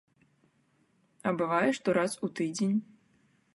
А бывае, што раз у тыдзень.